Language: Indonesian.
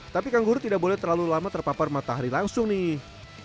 tapi kangguru tidak boleh terlalu lama terpapar matahari langsung nih